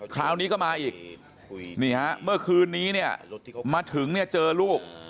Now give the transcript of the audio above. คราวนี้ก็มาอีกนี่ฮะเมื่อคืนนี้เนี่ยมาถึงเนี่ยเจอลูก